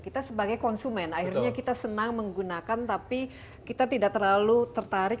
kita sebagai konsumen akhirnya kita senang menggunakan tapi kita tidak terlalu tertarik